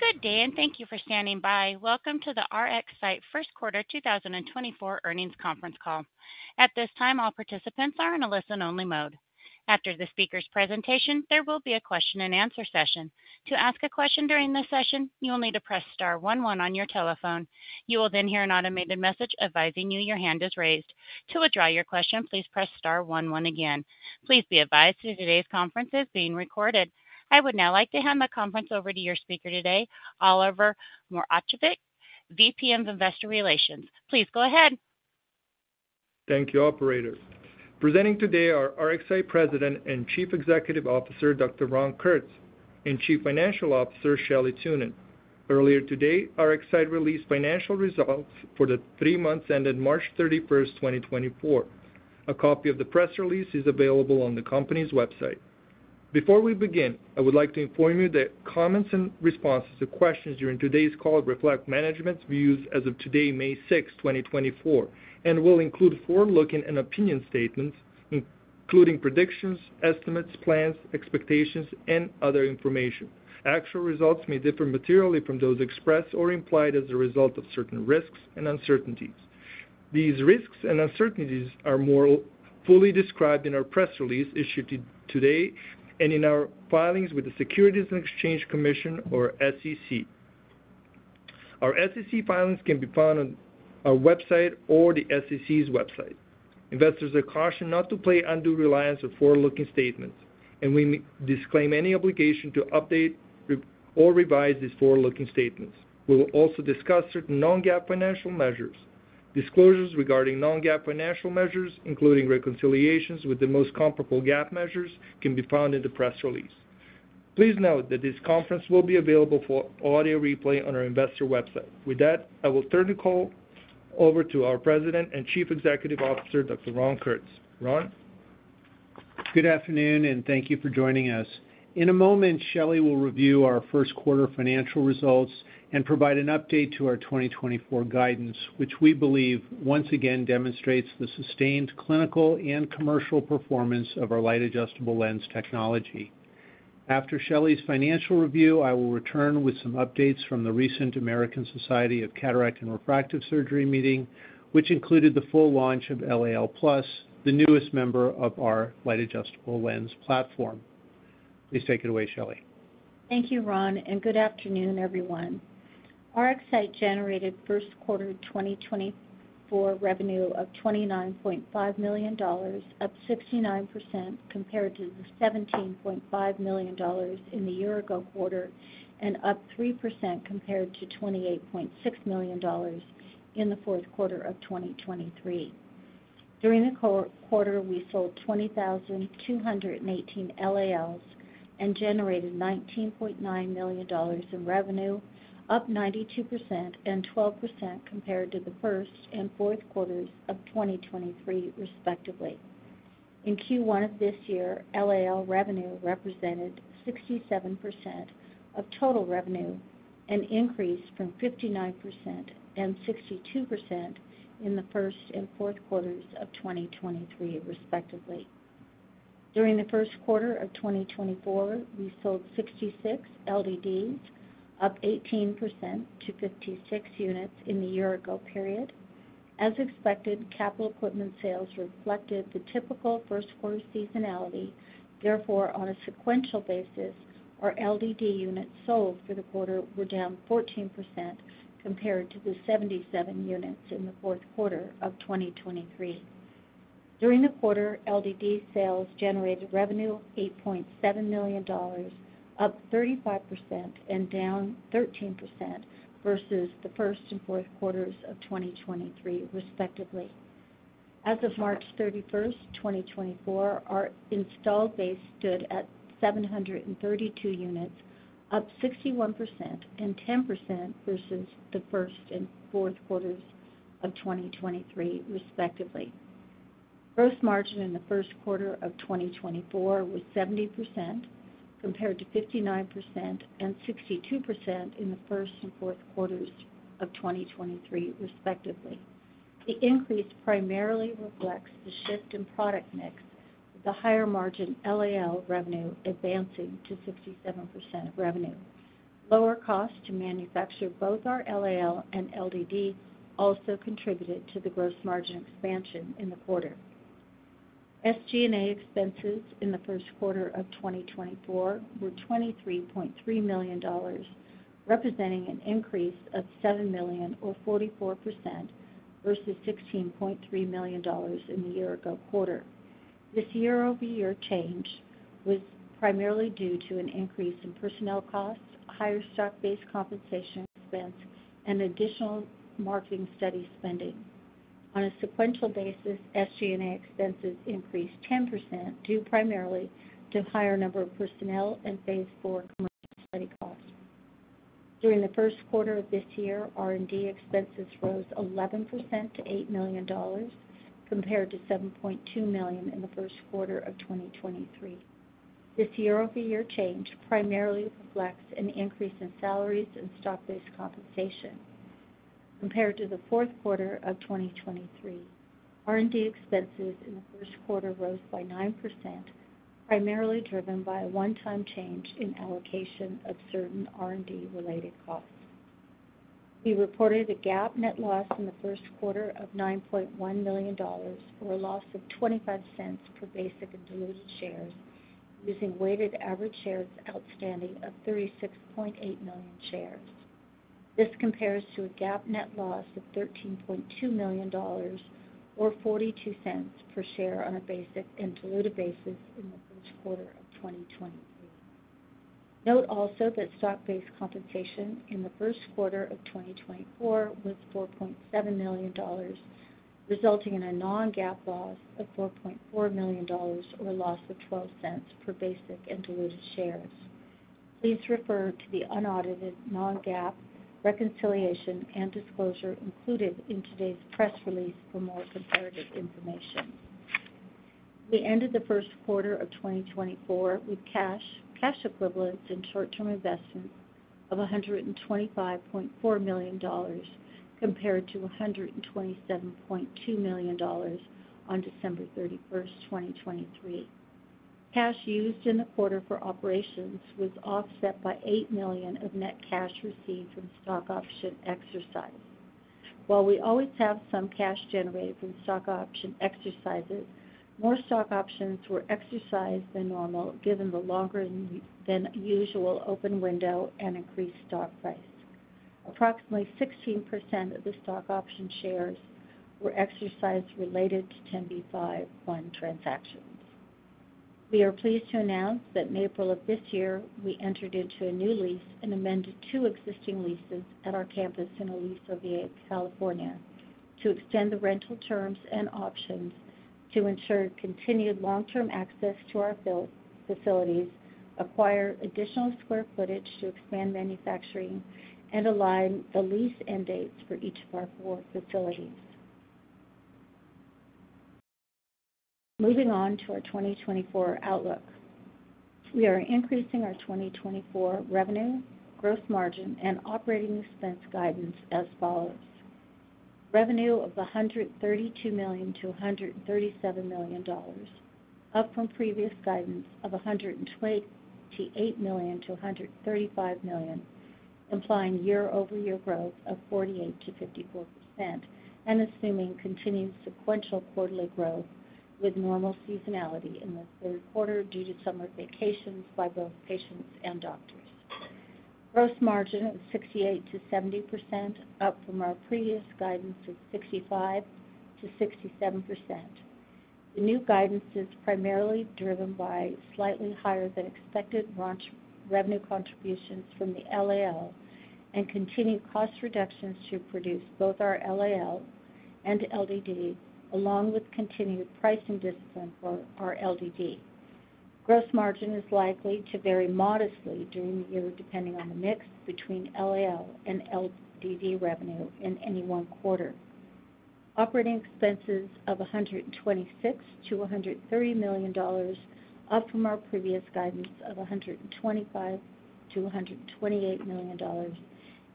Good day and thank you for standing by. Welcome to the RxSight First Quarter 2024 Earnings Conference Call. At this time, all participants are in a listen-only mode. After the speaker's presentation, there will be a question-and-answer session. To ask a question during the session, you will need to press star one one on your telephone. You will then hear an automated message advising you your hand is raised. To withdraw your question, please press star one one again. Please be advised that today's conference is being recorded. I would now like to hand the conference over to your speaker today, Oliver Moravcevic, VP of Investor Relations. Please go ahead. Thank you, Operator. Presenting today are RxSight President and Chief Executive Officer Dr. Ron Kurtz and Chief Financial Officer Shelley Thunen. Earlier today, RxSight released financial results for the three months ended March 31st, 2024. A copy of the press release is available on the company's website. Before we begin, I would like to inform you that comments and responses to questions during today's call reflect management's views as of today, May 6, 2024, and will include forward-looking and opinion statements, including predictions, estimates, plans, expectations, and other information. Actual results may differ materially from those expressed or implied as a result of certain risks and uncertainties. These risks and uncertainties are more fully described in our press release issued today and in our filings with the Securities and Exchange Commission, or SEC. Our SEC filings can be found on our website or the SEC's website. Investors are cautioned not to place undue reliance on forward-looking statements, and we disclaim any obligation to update or revise these forward-looking statements. We will also discuss certain non-GAAP financial measures. Disclosures regarding non-GAAP financial measures, including reconciliations with the most comparable GAAP measures, can be found in the press release. Please note that this conference will be available for audio replay on our investor website. With that, I will turn the call over to our President and Chief Executive Officer, Dr. Ron Kurtz. Ron? Good afternoon, and thank you for joining us. In a moment, Shelley will review our first quarter financial results and provide an update to our 2024 guidance, which we believe once again demonstrates the sustained clinical and commercial performance of our Light Adjustable Lens technology. After Shelley's financial review, I will return with some updates from the recent American Society of Cataract and Refractive Surgery meeting, which included the full launch of LAL+, the newest member of our Light Adjustable Lens platform. Please take it away, Shelley. Thank you, Ron, and good afternoon, everyone. RxSight generated first quarter 2024 revenue of $29.5 million, up 69% compared to the $17.5 million in the year-ago quarter and up 3% compared to $28.6 million in the fourth quarter of 2023. During the quarter, we sold 20,218 LALs and generated $19.9 million in revenue, up 92% and 12% compared to the first and fourth quarters of 2023, respectively. In Q1 of this year, LAL revenue represented 67% of total revenue, an increase from 59% and 62% in the first and fourth quarters of 2023, respectively. During the first quarter of 2024, we sold 66 LDDs, up 18% to 56 units in the year-ago period. As expected, capital equipment sales reflected the typical first quarter seasonality. Therefore, on a sequential basis, our LDD units sold for the quarter were down 14% compared to the 77 units in the fourth quarter of 2023. During the quarter, LDD sales generated revenue of $8.7 million, up 35% and down 13% versus the first and fourth quarters of 2023, respectively. As of March 31, 2024, our installed base stood at 732 units, up 61% and 10% versus the first and fourth quarters of 2023, respectively. Gross margin in the first quarter of 2024 was 70% compared to 59% and 62% in the first and fourth quarters of 2023, respectively. The increase primarily reflects the shift in product mix, with the higher margin LAL revenue advancing to 67% of revenue. Lower costs to manufacture both our LAL and LDD also contributed to the gross margin expansion in the quarter. SG&A expenses in the first quarter of 2024 were $23.3 million, representing an increase of $7 million, or 44%, versus $16.3 million in the year-ago quarter. This year-over-year change was primarily due to an increase in personnel costs, higher stock-based compensation expense, and additional marketing study spending. On a sequential basis, SG&A expenses increased 10% due primarily to a higher number of personnel and phase IV commercial study costs. During the first quarter of this year, R&D expenses rose 11% to $8 million, compared to $7.2 million in the first quarter of 2023. This year-over-year change primarily reflects an increase in salaries and stock-based compensation compared to the fourth quarter of 2023. R&D expenses in the first quarter rose by 9%, primarily driven by a one-time change in allocation of certain R&D-related costs. We reported a GAAP net loss in the first quarter of $9.1 million, or a loss of $0.25 per basic and diluted shares, using weighted average shares outstanding of 36.8 million shares. This compares to a GAAP net loss of $13.2 million, or $0.42 per share on a basic and diluted basis in the first quarter of 2023. Note also that stock-based compensation in the first quarter of 2024 was $4.7 million, resulting in a non-GAAP loss of $4.4 million, or a loss of $0.12 per basic and diluted shares. Please refer to the unaudited non-GAAP reconciliation and disclosure included in today's press release for more comparative information. We ended the first quarter of 2024 with cash equivalents in short-term investments of $125.4 million compared to $127.2 million on December 31st, 2023. Cash used in the quarter for operations was offset by $8 million of net cash received from stock option exercise. While we always have some cash generated from stock option exercises, more stock options were exercised than normal given the longer-than-usual open window and increased stock price. Approximately 16% of the stock option shares were exercised related to 10b5-1 transactions. We are pleased to announce that in April of this year, we entered into a new lease and amended two existing leases at our campus in Aliso Viejo, California to extend the rental terms and options, to ensure continued long-term access to our facilities, acquire additional square footage to expand manufacturing, and align the lease end dates for each of our four facilities. Moving on to our 2024 outlook, we are increasing our 2024 revenue, gross margin, and operating expense guidance as follows. Revenue of $132 million-$137 million, up from previous guidance of $128 million-$135 million, implying year-over-year growth of 48%-54% and assuming continued sequential quarterly growth with normal seasonality in the third quarter due to summer vacations by both patients and doctors. Gross margin of 68%-70%, up from our previous guidance of 65%-67%. The new guidance is primarily driven by slightly higher-than-expected recurring revenue contributions from the LAL and continued cost reductions to produce both our LAL and LDD, along with continued pricing discipline for our LDD. Gross margin is likely to vary modestly during the year depending on the mix between LAL and LDD revenue in any one quarter. Operating expenses of $126 million-$130 million, up from our previous guidance of $125 million-$128 million,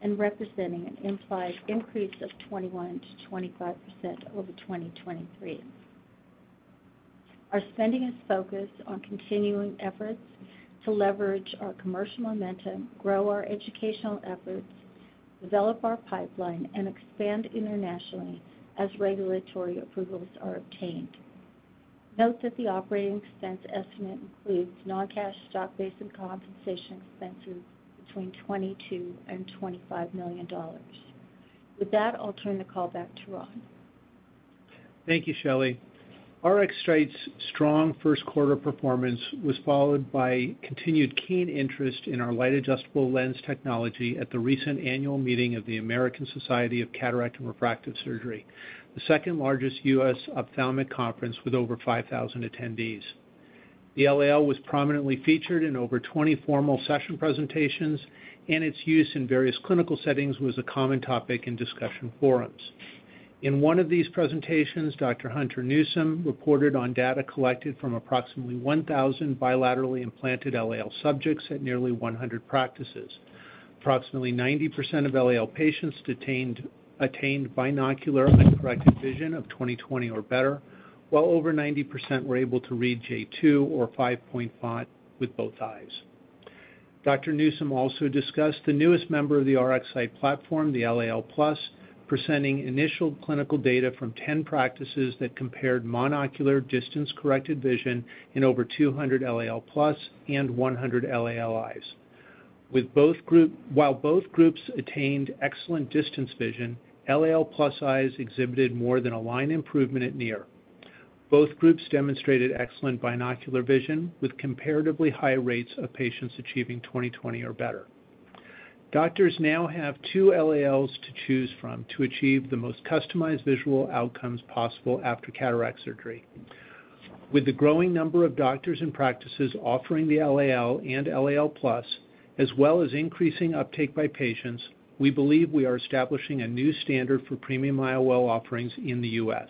and representing an implied increase of 21%-25% over 2023. Our spending is focused on continuing efforts to leverage our commercial momentum, grow our educational efforts, develop our pipeline, and expand internationally as regulatory approvals are obtained. Note that the operating expense estimate includes non-cash stock-based and compensation expenses between $22 million and $25 million. With that, I'll turn the call back to Ron. Thank you, Shelley. RxSight's strong first quarter performance was followed by continued keen interest in our Light Adjustable Lens technology at the recent annual meeting of the American Society of Cataract and Refractive Surgery, the second-largest U.S. ophthalmic conference with over 5,000 attendees. The LAL was prominently featured in over 20 formal session presentations, and its use in various clinical settings was a common topic in discussion forums. In one of these presentations, Dr. Hunter Newsom reported on data collected from approximately 1,000 bilaterally implanted LAL subjects at nearly 100 practices. Approximately 90% of LAL patients attained binocular uncorrected vision of 20/20 or better, while over 90% were able to read J2 or 5.5 with both eyes. Dr. Newsom also discussed the newest member of the RxSight platform, the LAL+, presenting initial clinical data from 10 practices that compared monocular distance-corrected vision in over 200 LAL+ and 100 LAL eyes. While both groups attained excellent distance vision, LAL+ eyes exhibited more than a line improvement at near. Both groups demonstrated excellent binocular vision, with comparatively high rates of patients achieving 20/20 or better. Doctors now have two LALs to choose from to achieve the most customized visual outcomes possible after cataract surgery. With the growing number of doctors and practices offering the LAL and LAL+, as well as increasing uptake by patients, we believe we are establishing a new standard for Premium IOL offerings in the U.S.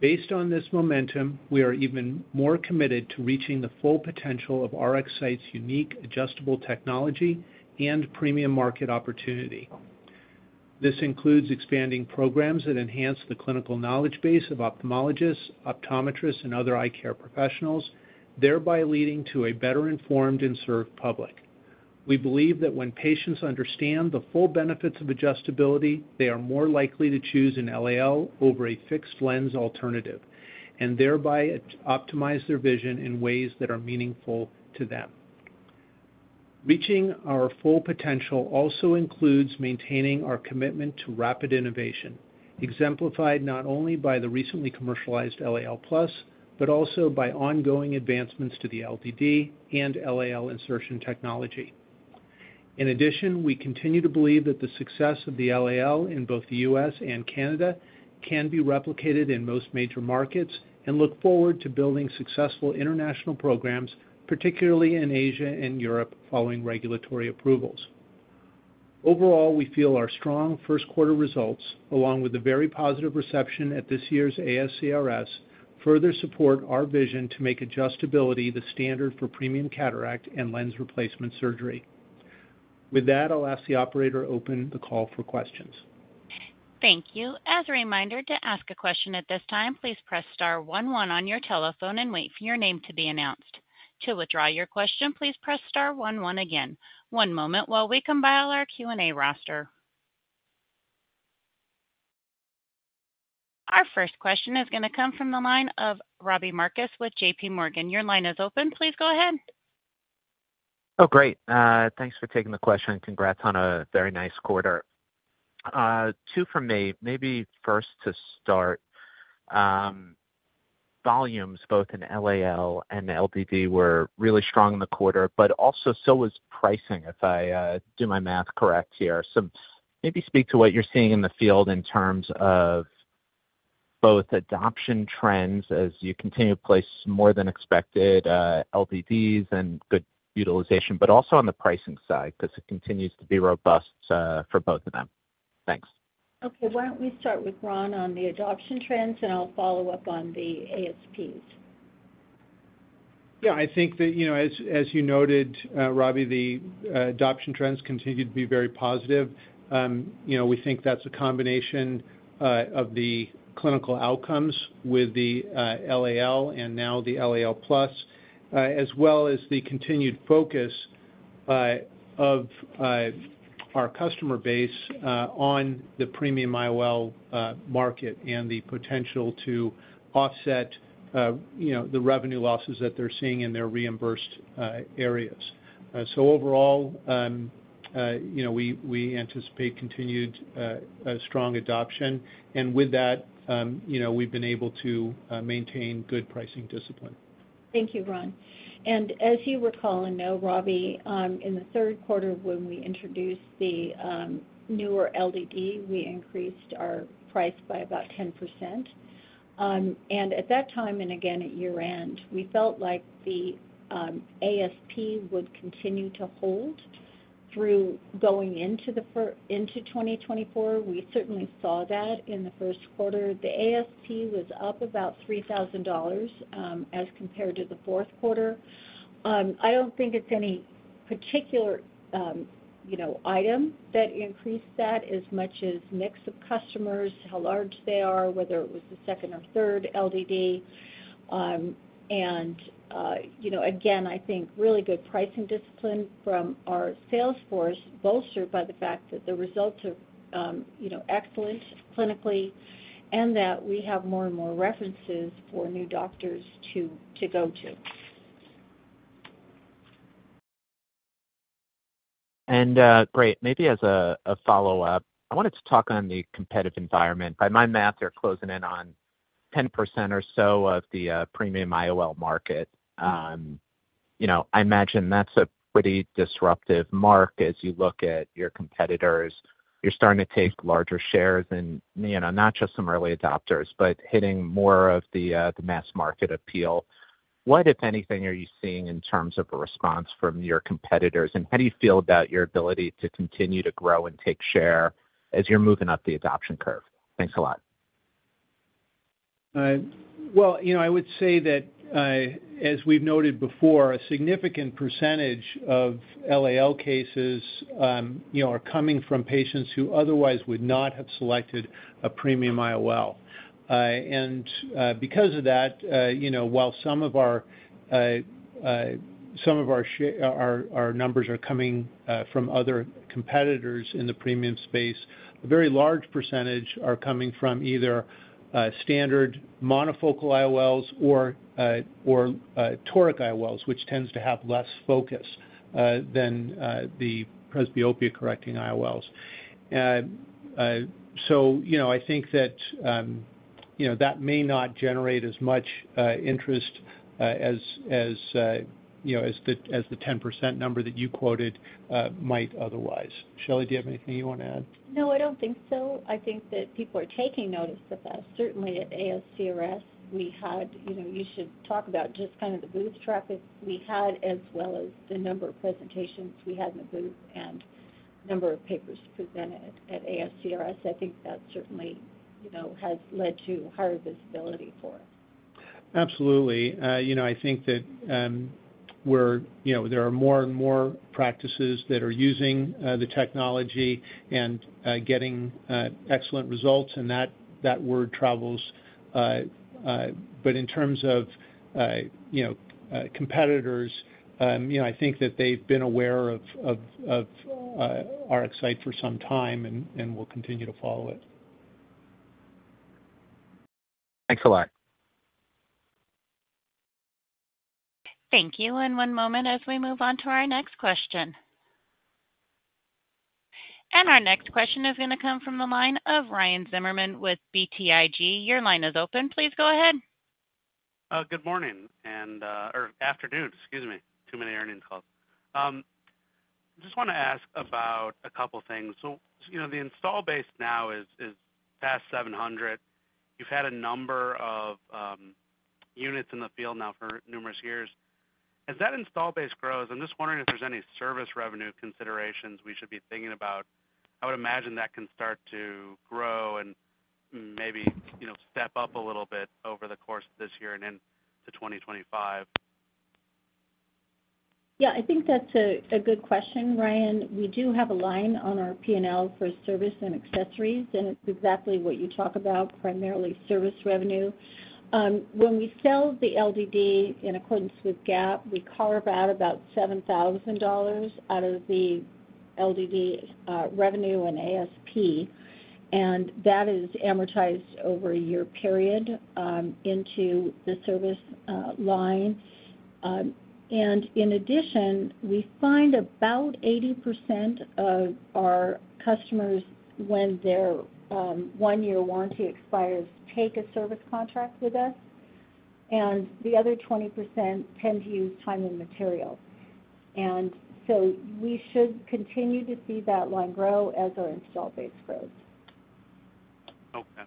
Based on this momentum, we are even more committed to reaching the full potential of RxSight's unique adjustable technology and premium market opportunity. This includes expanding programs that enhance the clinical knowledge base of ophthalmologists, optometrists, and other eye care professionals, thereby leading to a better-informed and served public. We believe that when patients understand the full benefits of adjustability, they are more likely to choose an LAL over a fixed lens alternative and thereby optimize their vision in ways that are meaningful to them. Reaching our full potential also includes maintaining our commitment to rapid innovation, exemplified not only by the recently commercialized LAL+ but also by ongoing advancements to the LDD and LAL insertion technology. In addition, we continue to believe that the success of the LAL in both the U.S. and Canada can be replicated in most major markets and look forward to building successful international programs, particularly in Asia and Europe, following regulatory approvals. Overall, we feel our strong first quarter results, along with the very positive reception at this year's ASCRS, further support our vision to make adjustability the standard for premium cataract and lens replacement surgery. With that, I'll ask the operator to open the call for questions. Thank you. As a reminder, to ask a question at this time, please press star one one on your telephone and wait for your name to be announced. To withdraw your question, please press star one one again. One moment while we compile our Q&A roster. Our first question is going to come from the line of Robbie Marcus with JPMorgan. Your line is open. Please go ahead. Oh, great. Thanks for taking the question and congrats on a very nice quarter. Two from me. Maybe first to start, volumes, both in LAL and LDD, were really strong in the quarter, but also so was pricing, if I do my math correct here. Maybe speak to what you're seeing in the field in terms of both adoption trends as you continue to place more than expected LDDs and good utilization, but also on the pricing side because it continues to be robust for both of them. Thanks. Okay. Why don't we start with Ron on the adoption trends, and I'll follow up on the ASPs? Yeah. I think that, as you noted, Robbie, the adoption trends continue to be very positive. We think that's a combination of the clinical outcomes with the LAL and now the LAL+, as well as the continued focus of our customer base on the Premium IOL market and the potential to offset the revenue losses that they're seeing in their reimbursed areas. So overall, we anticipate continued strong adoption, and with that, we've been able to maintain good pricing discipline. Thank you, Ron. And as you recall and know, Robbie, in the third quarter when we introduced the newer LDD, we increased our price by about 10%. And at that time and again at year-end, we felt like the ASP would continue to hold through going into 2024. We certainly saw that in the first quarter. The ASP was up about $3,000 as compared to the fourth quarter. I don't think it's any particular item that increased that as much as mix of customers, how large they are, whether it was the second or third LDD. And again, I think really good pricing discipline from our sales force, bolstered by the fact that the results are excellent clinically and that we have more and more references for new doctors to go to. Great. Maybe as a follow-up, I wanted to talk on the competitive environment. By my math, they're closing in on 10% or so of the Premium IOL market. I imagine that's a pretty disruptive mark as you look at your competitors. You're starting to take larger shares in not just some early adopters, but hitting more of the mass market appeal. What, if anything, are you seeing in terms of a response from your competitors, and how do you feel about your ability to continue to grow and take share as you're moving up the adoption curve? Thanks a lot. Well, I would say that, as we've noted before, a significant percentage of LAL cases are coming from patients who otherwise would not have selected a Premium IOL. Because of that, while some of our numbers are coming from other competitors in the premium space, a very large percentage are coming from either Standard Monofocal IOLs or Toric IOLs, which tends to have less focus than the Presbyopia-correcting IOLs. So, I think that that may not generate as much interest as the 10% number that you quoted might otherwise. Shelley, do you have anything you want to add? No, I don't think so. I think that people are taking notice of that. Certainly, at ASCRS, we had. You should talk about just kind of the booth traffic we had as well as the number of presentations we had in the booth and number of papers presented at ASCRS. I think that certainly has led to higher visibility for us. Absolutely. I think that there are more and more practices that are using the technology and getting excellent results, and that word travels. But in terms of competitors, I think that they've been aware of RxSight for some time and will continue to follow it. Thanks a lot. Thank you. One moment as we move on to our next question. Our next question is going to come from the line of Ryan Zimmerman with BTIG. Your line is open. Please go ahead. Good morning and/or afternoon. Excuse me. Too many earnings calls. I just want to ask about a couple of things. So, the install base now is past 700. You've had a number of units in the field now for numerous years. As that install base grows, I'm just wondering if there's any service revenue considerations we should be thinking about? I would imagine that can start to grow and maybe step up a little bit over the course of this year and into 2025. Yeah. I think that's a good question, Ryan. We do have a line on our P&L for Service and Accessories, and it's exactly what you talk about, primarily service revenue. When we sell the LDD in accordance with GAAP, we carve out about $7,000 out of the LDD revenue and ASP, and that is amortized over a year period into the service line. And in addition, we find about 80% of our customers, when their one-year warranty expires, take a service contract with us, and the other 20% tend to use time and material. And so we should continue to see that line grow as our install base grows. Okay.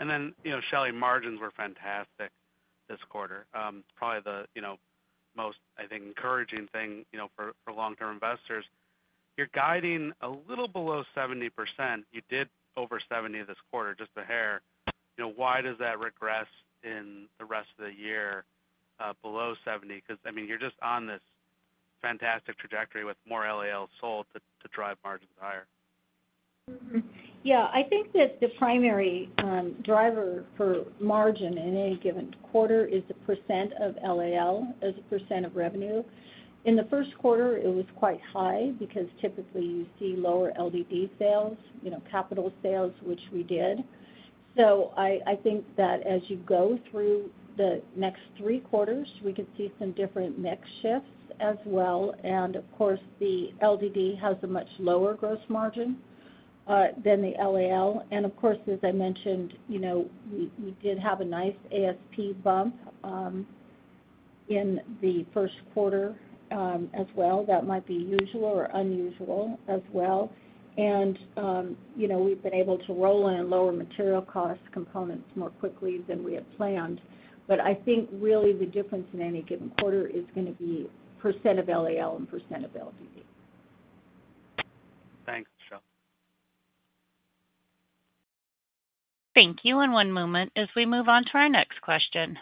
And then, Shelley, margins were fantastic this quarter. Probably the most, I think, encouraging thing for long-term investors. You're guiding a little below 70%. You did over 70% this quarter, just a hair. Why does that regress in the rest of the year below 70%? Because, I mean, you're just on this fantastic trajectory with more LALs sold to drive margins higher. Yeah. I think that the primary driver for margin in any given quarter is the % of LAL as a % of revenue. In the first quarter, it was quite high because typically you see lower LDD sales, capital sales, which we did. So, I think that as you go through the next three quarters, we could see some different mix shifts as well. And of course, the LDD has a much lower gross margin than the LAL. And of course, as I mentioned, we did have a nice ASP bump in the first quarter as well. That might be usual or unusual as well. And we've been able to roll in lower material cost components more quickly than we had planned. But I think really the difference in any given quarter is going to be % of LAL and % of LDD. Thanks, Shelley. Thank you. And one moment as we move on to our next question.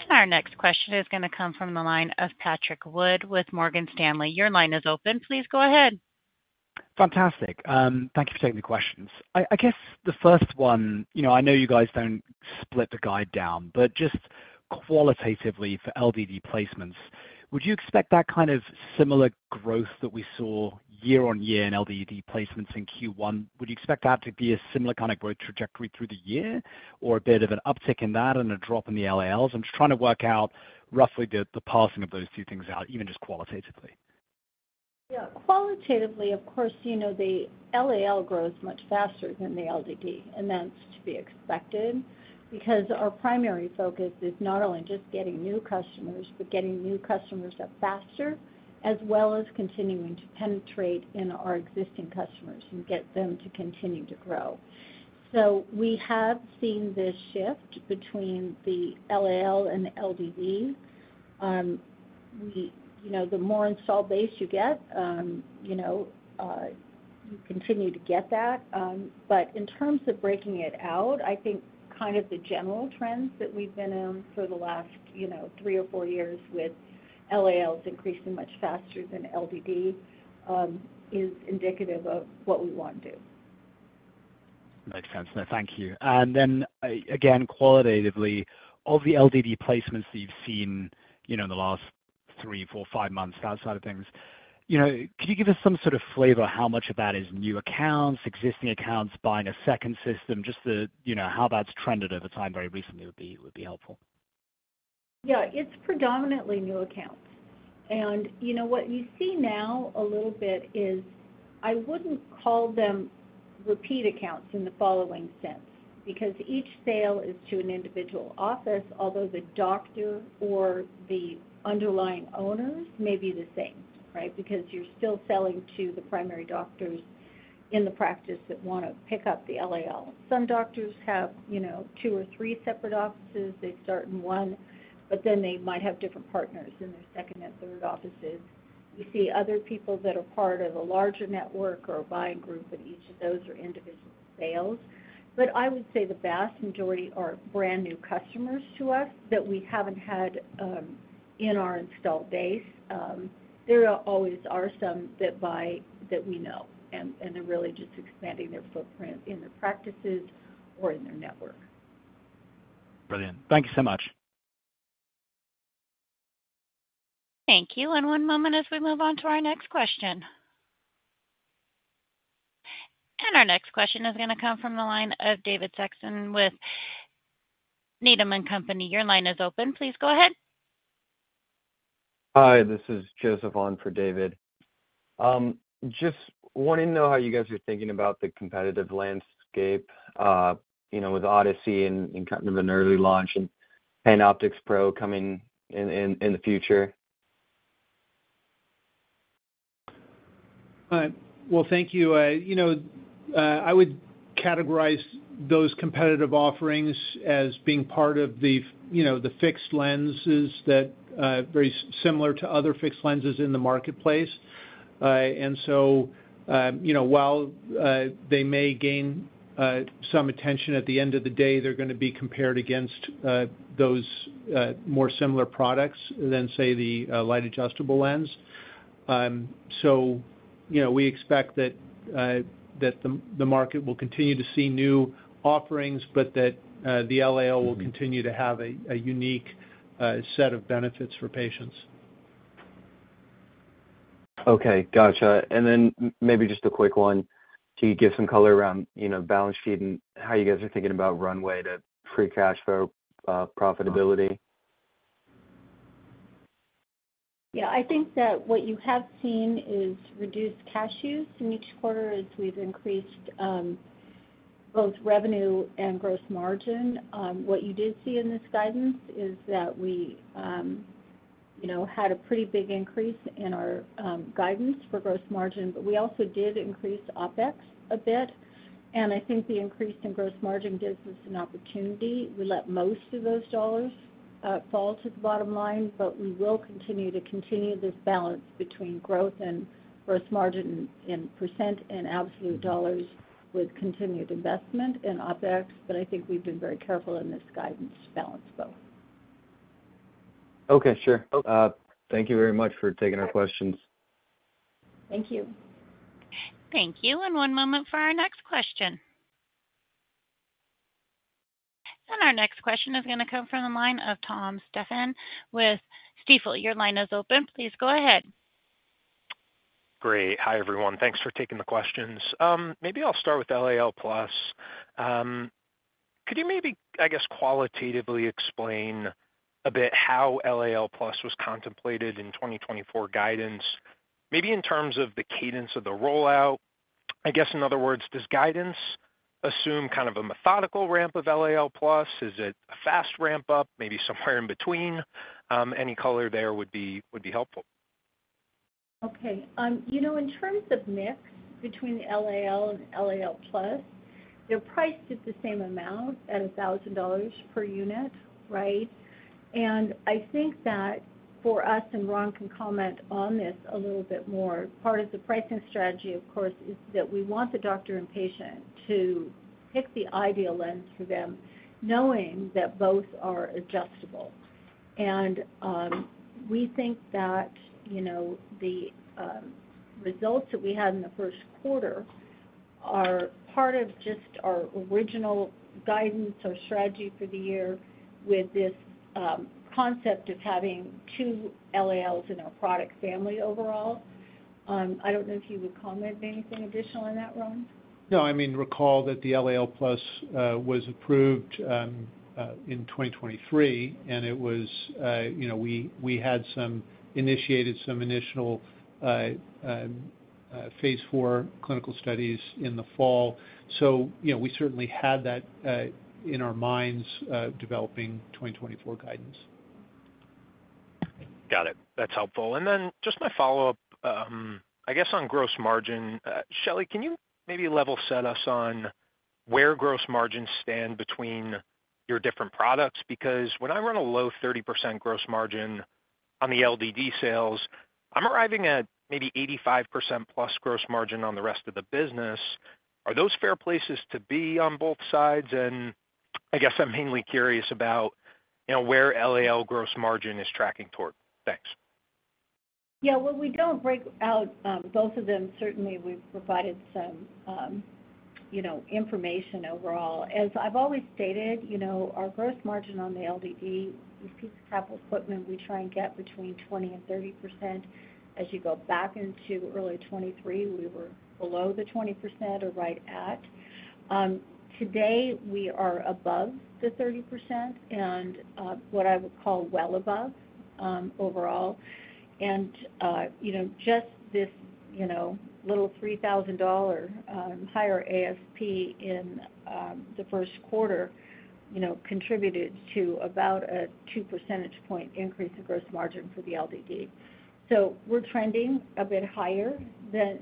And our next question is going to come from the line of Patrick Wood with Morgan Stanley. Your line is open. Please go ahead. Fantastic. Thank you for taking the questions. I guess the first one, I know you guys don't split the guide down, but just qualitatively for LDD placements, would you expect that kind of similar growth that we saw year-over-year in LDD placements in Q1? Would you expect that to be a similar kind of growth trajectory through the year or a bit of an uptick in that and a drop in the LALs? I'm just trying to work out roughly the passing of those two things out, even just qualitatively. Yeah. Qualitatively, of course, the LAL grows much faster than the LDD, and that's to be expected because our primary focus is not only just getting new customers but getting new customers up faster as well as continuing to penetrate in our existing customers and get them to continue to grow. So, we have seen this shift between the LAL and the LDD. The more installed base you get, you continue to get that. But in terms of breaking it out, I think kind of the general trends that we've been in for the last three or four years with LALs increasing much faster than LDD is indicative of what we want to do. Makes sense. Thank you. Then again, qualitatively, of the LDD placements that you've seen in the last 3, 4, 5 months, that side of things, could you give us some sort of flavor of how much of that is new accounts, existing accounts buying a second system? Just how that's trended over time very recently would be helpful. Yeah. It's predominantly new accounts. And what you see now a little bit is I wouldn't call them repeat accounts in the following sense because each sale is to an individual office, although the doctor or the underlying owners may be the same, right, because you're still selling to the primary doctors in the practice that want to pick up the LAL. Some doctors have two or three separate offices. They start in one, but then they might have different partners in their second and third offices. You see other people that are part of a larger network or a buying group, but each of those are individual sales. But I would say the vast majority are brand new customers to us that we haven't had in our install base. There always are some that we know, and they're really just expanding their footprint in their practices or in their network. Brilliant. Thank you so much. Thank you. One moment as we move on to our next question. Our next question is going to come from the line of David Saxon with Needham & Company. Your line is open. Please go ahead. Hi. This is Joseph on for David. Just wanting to know how you guys are thinking about the competitive landscape with Odyssey in kind of an early launch and PanOptix Pro coming in the future? Well, thank you. I would categorize those competitive offerings as being part of the fixed lenses that are very similar to other fixed lenses in the marketplace. And so, while they may gain some attention at the end of the day, they're going to be compared against those more similar products than, say, the Light Adjustable Lens. So, we expect that the market will continue to see new offerings, but that the LAL will continue to have a unique set of benefits for patients. Okay. Gotcha. And then maybe just a quick one, can you give some color around balance sheet and how you guys are thinking about runway to free cash flow profitability? Yeah. I think that what you have seen is reduced cash use in each quarter as we've increased both revenue and gross margin. What you did see in this guidance is that we had a pretty big increase in our guidance for gross margin, but we also did increase OpEx a bit. I think the increase in gross margin gives us an opportunity. We let most of those dollars fall to the bottom line, but we will continue to continue this balance between growth and gross margin in percent and absolute dollars with continued investment in OpEx. But I think we've been very careful in this guidance to balance both. Okay. Sure. Thank you very much for taking our questions. Thank you. Thank you. One moment for our next question. Our next question is going to come from the line of Tom Stephan with Stifel. Your line is open. Please go ahead. Great. Hi, everyone. Thanks for taking the questions. Maybe I'll start with LAL+. Could you maybe, I guess, qualitatively explain a bit how LAL+ was contemplated in 2024 guidance, maybe in terms of the cadence of the rollout? I guess, in other words, does guidance assume kind of a methodical ramp of LAL+? Is it a fast ramp-up, maybe somewhere in between? Any color there would be helpful. Okay. In terms of mix between the LAL and LAL+, they're priced at the same amount at $1,000 per unit, right? And I think that for us, and Ron can comment on this a little bit more, part of the pricing strategy, of course, is that we want the doctor and patient to pick the ideal lens for them knowing that both are adjustable. And we think that the results that we had in the first quarter are part of just our original guidance or strategy for the year with this concept of having two LALs in our product family overall. I don't know if you would comment anything additional on that, Ron. No. I mean, recall that the LAL+ was approved in 2023, and it was we had initiated some initial phase IV clinical studies in the fall. So, we certainly had that in our minds developing 2024 guidance. Got it. That's helpful. And then just my follow-up, I guess, on gross margin, Shelley, can you maybe level set us on where gross margins stand between your different products? Because when I run a low 30% gross margin on the LDD sales, I'm arriving at maybe 85% plus gross margin on the rest of the business. Are those fair places to be on both sides? And I guess I'm mainly curious about where LAL gross margin is tracking toward. Thanks. Yeah. Well, we don't break out both of them. Certainly, we've provided some information overall. As I've always stated, our gross margin on the LDD, this piece of capital equipment, we try and get between 20%-30%. As you go back into early 2023, we were below the 20% or right at. Today, we are above the 30% and what I would call well above overall. And just this little $3,000 higher ASP in the first quarter contributed to about a 2 percentage point increase in gross margin for the LDD. So, we're trending a bit higher than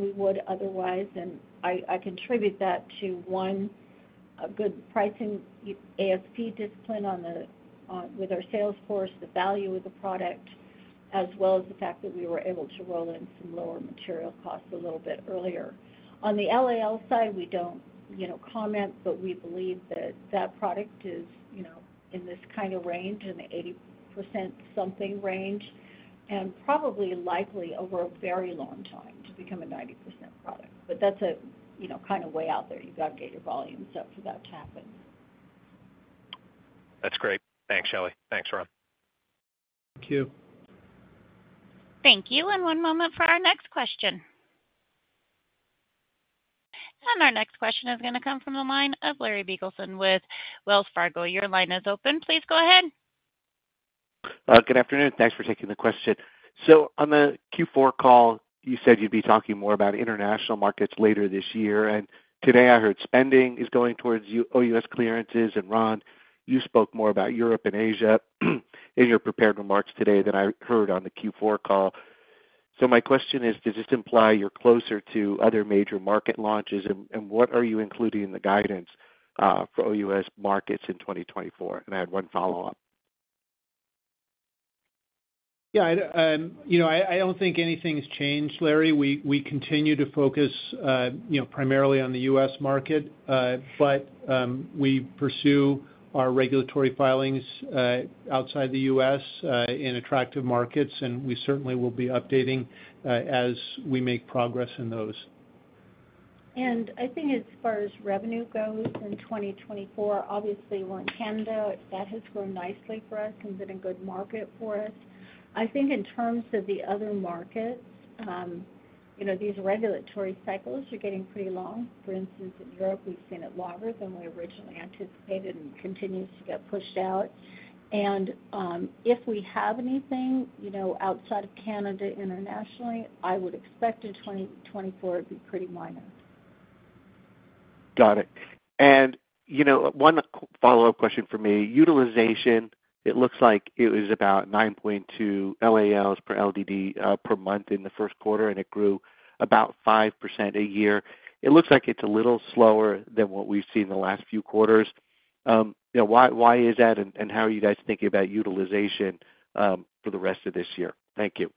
we would otherwise. And I contribute that to, one, a good pricing ASP discipline with our sales force, the value of the product, as well as the fact that we were able to roll in some lower material costs a little bit earlier. On the LAL side, we don't comment, but we believe that that product is in this kind of range, in the 80%-something range, and probably likely over a very long time to become a 90% product. But that's a kind of way out there. You've got to get your volumes up for that to happen. That's great. Thanks, Shelley. Thanks, Ron. Thank you. Thank you. One moment for our next question. Our next question is going to come from the line of Larry Biegelsen with Wells Fargo. Your line is open. Please go ahead. Good afternoon. Thanks for taking the question. So, on the Q4 call, you said you'd be talking more about international markets later this year. And today, I heard spending is going towards OUS clearances. And Ron, you spoke more about Europe and Asia in your prepared remarks today than I heard on the Q4 call. So, my question is, does this imply you're closer to other major market launches? And what are you including in the guidance for OUS markets in 2024? And I had one follow-up. Yeah. I don't think anything's changed, Larry. We continue to focus primarily on the U.S. market, but we pursue our regulatory filings outside the U.S. in attractive markets. We certainly will be updating as we make progress in those. And I think as far as revenue goes in 2024, obviously, we're in Canada. That has grown nicely for us and been a good market for us. I think in terms of the other markets, these regulatory cycles are getting pretty long. For instance, in Europe, we've seen it longer than we originally anticipated and continues to get pushed out. And if we have anything outside of Canada internationally, I would expect in 2024 it'd be pretty minor. Got it. And one follow-up question for me. Utilization, it looks like it was about 9.2 LALs per LDD per month in the first quarter, and it grew about 5% a year. It looks like it's a little slower than what we've seen the last few quarters. Why is that, and how are you guys thinking about utilization for the rest of this year? Thank you.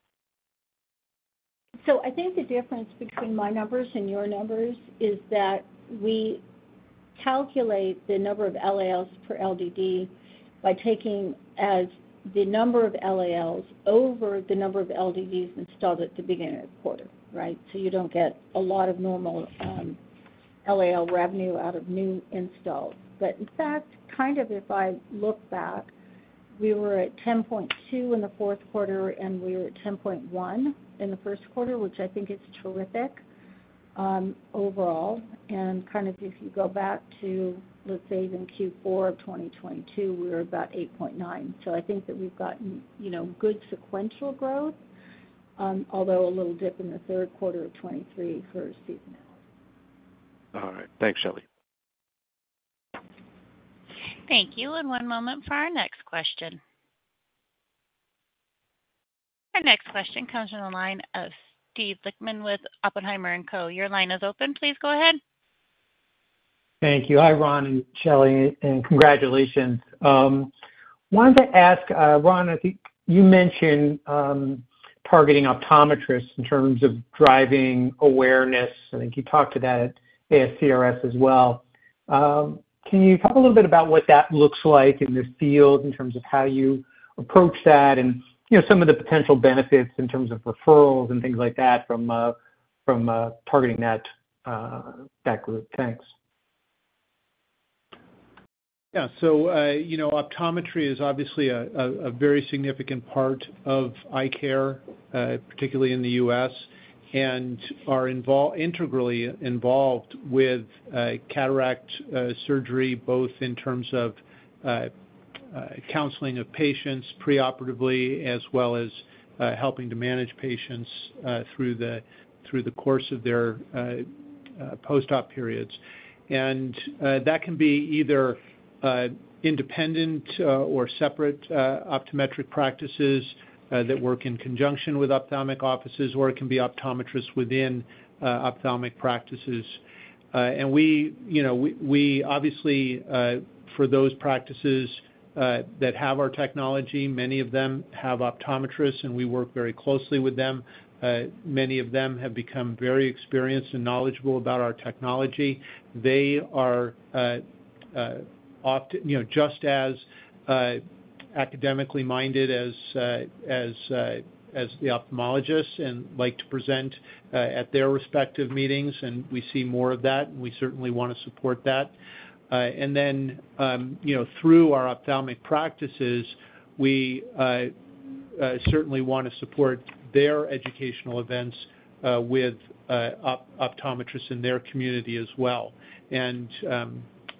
So, I think the difference between my numbers and your numbers is that we calculate the number of LALs per LDD by taking the number of LALs over the number of LDDs installed at the beginning of the quarter, right? So, you don't get a lot of normal LAL revenue out of new installs. But in fact, kind of if I look back, we were at 10.2 in the fourth quarter, and we were at 10.1 in the first quarter, which I think is terrific overall. And kind of if you go back to, let's say, even Q4 of 2022, we were about 8.9. So, I think that we've gotten good sequential growth, although a little dip in the third quarter of 2023 for seasonality. All right. Thanks, Shelley. Thank you. One moment for our next question. Our next question comes from the line of Steve Lichtman with Oppenheimer & Co. Your line is open. Please go ahead. Thank you. Hi, Ron and Shelley, and congratulations. I wanted to ask, Ron, I think you mentioned targeting optometrists in terms of driving awareness. I think you talked to that at ASCRS as well. Can you talk a little bit about what that looks like in the field in terms of how you approach that and some of the potential benefits in terms of referrals and things like that from targeting that group? Thanks. Yeah. So, optometry is obviously a very significant part of eye care, particularly in the U.S., and are integrally involved with cataract surgery, both in terms of counseling of patients preoperatively as well as helping to manage patients through the course of their post-op periods. And that can be either independent or separate optometric practices that work in conjunction with ophthalmic offices, or it can be optometrists within ophthalmic practices. And we obviously, for those practices that have our technology, many of them have optometrists, and we work very closely with them. Many of them have become very experienced and knowledgeable about our technology. They are just as academically minded as the ophthalmologists and like to present at their respective meetings. And we see more of that, and we certainly want to support that. And then through our ophthalmic practices, we certainly want to support their educational events with optometrists in their community as well. And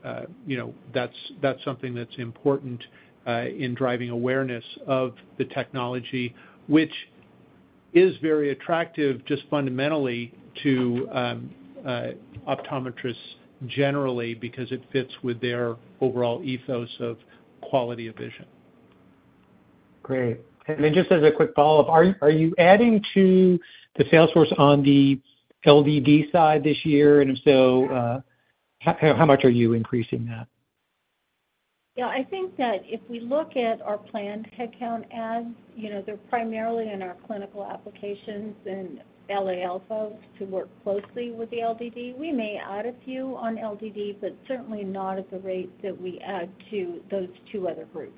that's something that's important in driving awareness of the technology, which is very attractive just fundamentally to optometrists generally because it fits with their overall ethos of quality of vision. Great. Just as a quick follow-up, are you adding to the sales force on the LDD side this year? If so, how much are you increasing that? Yeah. I think that if we look at our planned headcount adds, they're primarily in our clinical applications and LAL folks who work closely with the LDD. We may add a few on LDD, but certainly not at the rate that we add to those two other groups.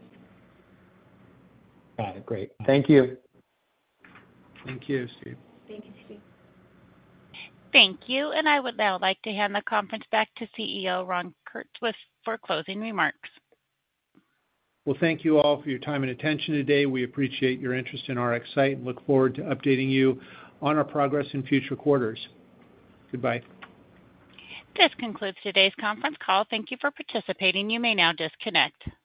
Got it. Great. Thank you. Thank you, Steve. Thank you, Steve. Thank you. I would now like to hand the conference back to CEO Ron Kurtz for closing remarks. Well, thank you all for your time and attention today. We appreciate your interest in our RxSight and look forward to updating you on our progress in future quarters. Goodbye. This concludes today's conference call. Thank you for participating. You may now disconnect.